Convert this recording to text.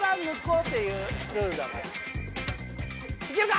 いけるか？